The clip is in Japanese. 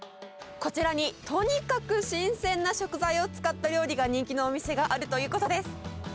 こちらにとにかく新鮮な食材を使った料理が人気のお店があるということです。